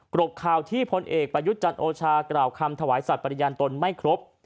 บข่าวที่พลเอกประยุทธ์จันทร์โอชากล่าวคำถวายสัตว์ปริญญาณตนไม่ครบ